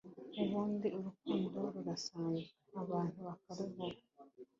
ubundi urukundo rurasanzwe abantu bakaruvuga